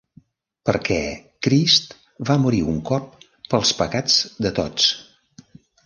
Perquè Crist va morir un cop pels pecats de tots.